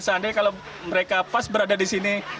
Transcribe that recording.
seandainya kalau mereka pas berada di sini